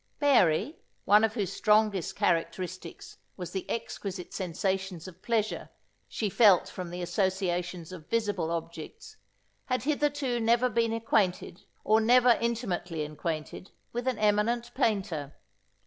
Mary, one of whose strongest characteristics was the exquisite sensations of pleasure she felt from the associations of visible objects, had hitherto never been acquainted, or never intimately acquainted, with an eminent painter.